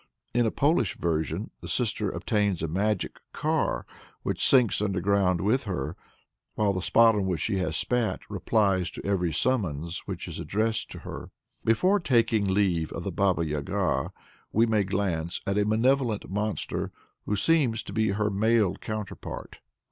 In a Polish version the sister obtains a magic car, which sinks underground with her, while the spot on which she has spat replies to every summons which is addressed to her. Before taking leave of the Baba Yaga, we may glance at a malevolent monster, who seems to be her male counterpart.